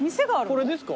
これですか？